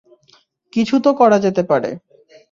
কিছু তো করা যেতে পারে।